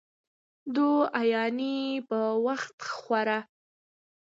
دوايانې په وخت خوره